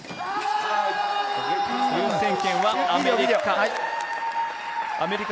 優先権はアメリカ。